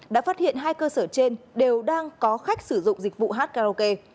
đã phát hiện hai cơ sở trên đều đang có khách sử dụng dịch vụ hát karaoke